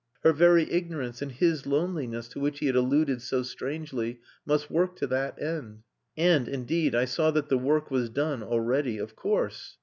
Her very ignorance and his loneliness to which he had alluded so strangely must work to that end. And, indeed, I saw that the work was done already. Of course.